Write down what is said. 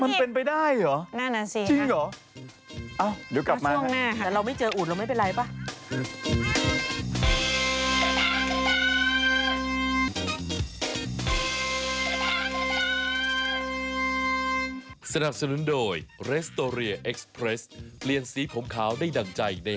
มันเป็นไปได้หรือจริงหรือเอ้าเดี๋ยวกลับมานะครับส่วนหน้า